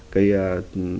chất thuốc bảo vệ